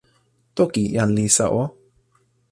toki, jan Lisa o.